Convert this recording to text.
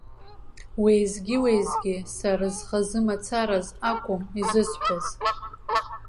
Уеизгьы-уеизгьы сара схазы мацараз акәым изысҳәаз.